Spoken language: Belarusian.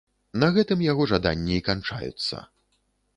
На гэтым яго жаданні і канчаюцца.